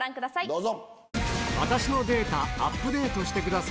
どうぞ。